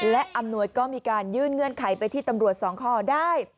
และอำนวยก็มีการยื่นเงื่อนไขไปที่ตำรวจสองคอได้